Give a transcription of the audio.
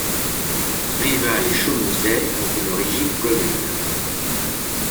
Hérival et Chaumousey ont une origine commune.